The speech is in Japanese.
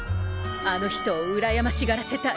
あの人をうらやましがらせたい。